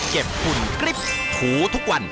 เก็บฝุ่นกริ๊บถูทุกวัน